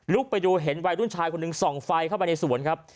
ไปดูเห็นวัยรุ่นชายคนหนึ่งส่องไฟเข้าไปในสวนครับ